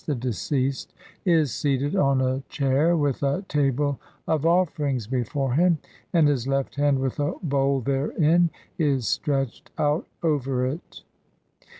22) the deceased is seated on a chair with a table of offerings before him, and his left hand, with a bowl therein, is stretched out over it.